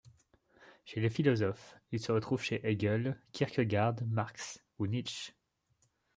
Chez les philosophes, il se retrouve chez Hegel, Kierkegaard, Marx ou Nietschze.